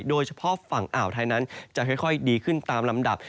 โดยเฉพาะฝั่งอ่าวไทยนั้นจะค่อยดีขึ้นตามลำดับ